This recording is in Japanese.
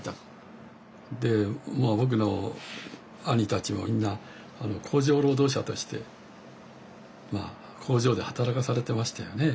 で僕の兄たちもみんな工場労働者として工場で働かされてましたよね。